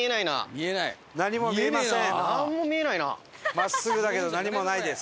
真っすぐだけど何もないです。